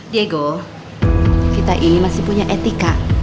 tante ini masih punya etika